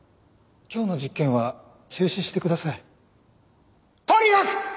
今日の実験は中止してください。